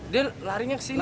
dia larinya kesini sih